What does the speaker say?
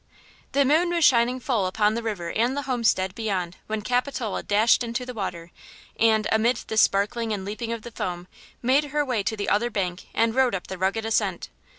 THE moon was shining full upon the river and the homestead beyond when Capitola dashed into the water and, amid the sparkling and leaping of the foam, made her way to the other bank and rode up the rugged ascent.